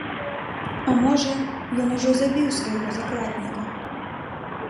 А можа, ён ужо забіў свайго закладніка!?